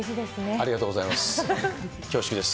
ありがとうございます。